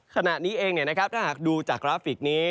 ขณะนี้เองถ้าหากดูจากกราฟิกนี้